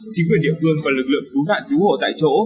chính quyền địa phương và lực lượng cứu nạn cứu hộ tại chỗ